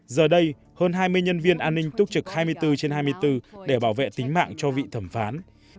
giờ đây hơn hai mươi nhân viên an ninh túc trực hai mươi bốn trên hai mươi bốn để bảo vệ tính mạng cho vị thẩm phán